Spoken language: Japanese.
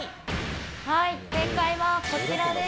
はい正解はこちらです。